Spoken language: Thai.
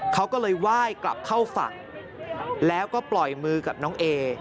เขาก็เลยไหว้กลับเข้าฝั่งแล้วก็ปล่อยมือกับน้องเอ